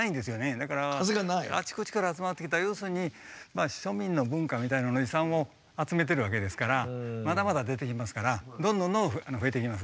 だからあちこちから集まってきた要するに庶民の文化みたいなのの遺産を集めてるわけですからまだまだ出てきますからどんどんどんどん増えていきます。